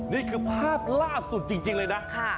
นี่คือภาพล่าสุดจริงเลยนะ